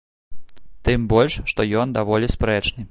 Тым больш што ён даволі спрэчны.